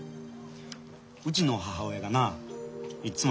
うちの母親がないっつも言うとった。